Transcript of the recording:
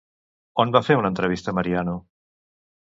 On va fer una entrevista Mariano?